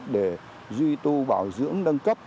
để duy tư bảo dưỡng nâng cấp